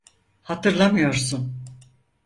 Hatırlamıyorsun.